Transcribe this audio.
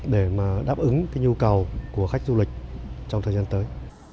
để mà đáp ứng cái nhu cầu của khách du lịch trong thời gian tới